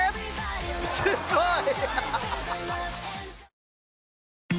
すごい！